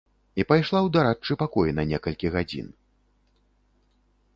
І пайшла ў дарадчы пакой на некалькі гадзін.